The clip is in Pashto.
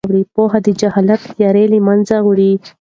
پوهه د جهل تیاره له منځه وړي.